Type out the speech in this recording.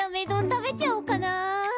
食べちゃおうかな。